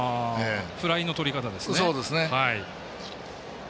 フライのとり方ですね。